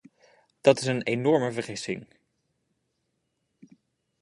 Dat is een enorme vergissing.